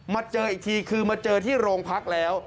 เจออีกทีคือมาเจอที่โรงพักแล้ว